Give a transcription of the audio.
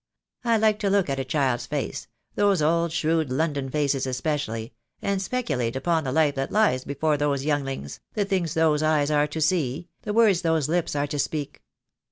I like to look at a child's face — those old shrewd London faces especially — and speculate upon the life that lies before those younglings, the things those eyes are to see, the words those lips are to speak.